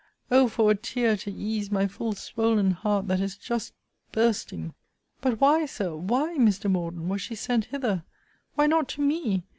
O for a tear to ease my full swoln heart that is just bursting! But why, Sir, why, Mr. Morden, was she sent hither? Why not to me?